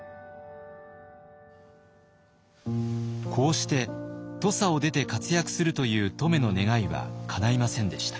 こうして土佐を出て活躍するという乙女の願いはかないませんでした。